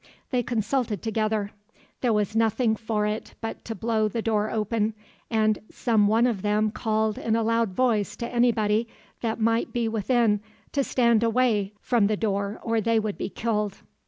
They consulted together. There was nothing for it but to blow the door open, and some one of them called in a loud voice to anybody that might be within to stand away from the door, or they would be killed.